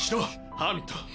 ハーミット。